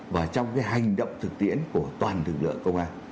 và trong cái hành động thực tiễn của toàn lực lượng công an